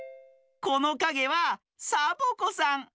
このかげはサボ子さん。